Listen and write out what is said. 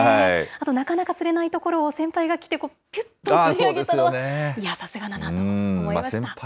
あと、なかなか釣れないところを、先輩が来て、ぴゅっと釣り上げたのは、いや、さすがだなと思いました。